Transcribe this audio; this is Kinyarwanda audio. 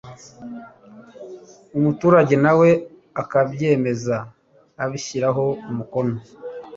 umuturage nawe akabyemeza abishyiraho umukono.